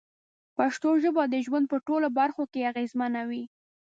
پښتو ژبه د ژوند په ټولو برخو کې اغېزمنه وي.